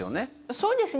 そうですね。